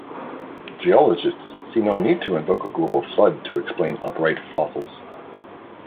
Geologists see no need to invoke a global flood to explain upright fossils.